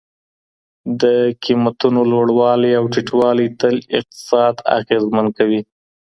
د قیمتونو لوړوالی او ټیټوالی تل اقتصاد اغیزمن کوي.